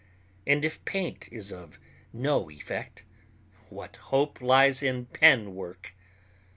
And if paint is of no effect, what hope lies in pen work?